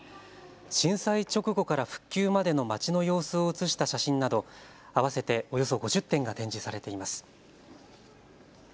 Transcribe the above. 震災直後から復旧までのまちの様子を写した写真など合わせておよそ５０点が展示されています。